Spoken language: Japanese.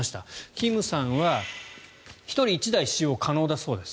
キムさんは１人１台使用可能だそうです。